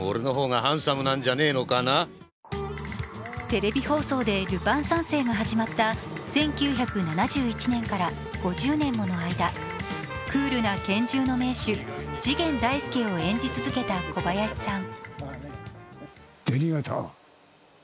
テレビ放送で「ルパン三世」が始まった１９７１年から、５０年もの間クールな拳銃の名手・次元大介を演じ続けた小林さん。